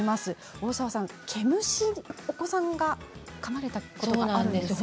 大沢さん、毛虫にお子さんがかまれたことがあるんですか？